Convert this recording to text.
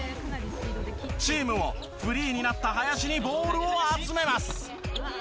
チームもフリーになった林にボールを集めます。